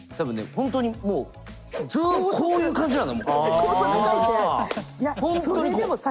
本当にもうずっとこういう感じなんだ。